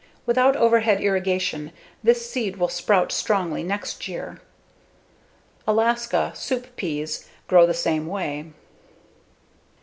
Without overhead irrigation, this seed will sprout strongly next year. Alaska (soup) peas grow the same way.